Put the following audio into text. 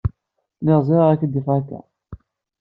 Lliɣ ẓriɣ ad k-id-afeɣ da.